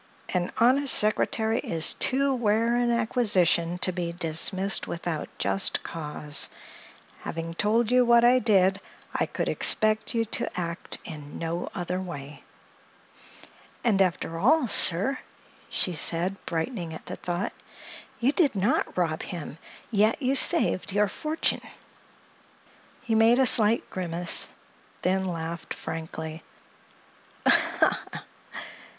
"An honest secretary is too rare an acquisition to be dismissed without just cause. Having told you what I did, I could expect you to act in no other way." "And, after all, sir," she said, brightening at the thought, "you did not rob him! Yet you saved your fortune." He made a slight grimace, and then laughed frankly.